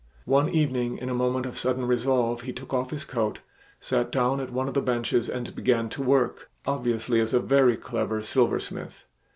One evening in a moment of sudden resolve, he took off his coat, sat down at one of the benches, and began to work, obviously as a very clever silversmith.